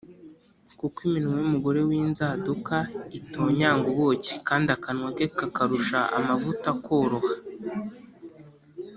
kuko iminwa y’umugore w’inzaduka itonyanga ubuki, kandi akanwa ke karusha amavuta koroha,